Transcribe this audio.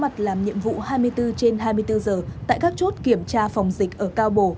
mặt làm nhiệm vụ hai mươi bốn trên hai mươi bốn giờ tại các chốt kiểm tra phòng dịch ở cao bồ